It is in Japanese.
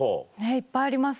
いっぱいあります